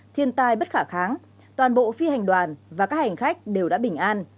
thiên tai bất khả kháng toàn bộ phi hành đoàn và các hành khách đều đã bình an